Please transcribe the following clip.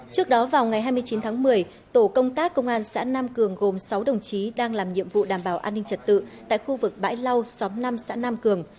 trước đó vào ngày hai mươi chín tháng một mươi tổ công tác công an xã nam cường gồm sáu đồng chí đang làm nhiệm vụ đảm bảo an ninh trật tự tại khu vực bãi lau xóm năm xã nam cường